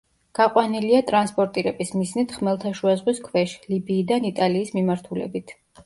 გაყვანილია ტრანსპორტირების მიზნით ხმელთაშუა ზღვის ქვეშ, ლიბიიდან იტალიის მიმართულებით.